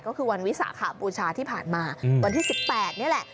ก็คือวันวิสาขบูชาที่ผ่านมาวันที่๑๘นี่แหละ